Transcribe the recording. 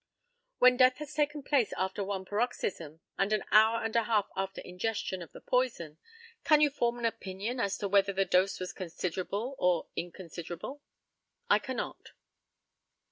When death has taken place after one paroxysm, and an hour and a half after ingestion of the poison, can you form an opinion as to whether the dose was considerable or inconsiderable? I cannot.